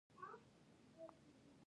جین شارپ هغه په سیاسي علومو کې راوړه.